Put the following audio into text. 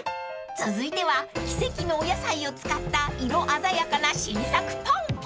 ［続いては奇跡のお野菜を使った色鮮やかな新作パン］